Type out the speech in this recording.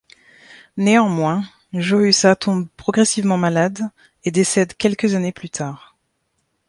Néanmoins, Johusa tombe progressivement malade et décède quelques années plus tard.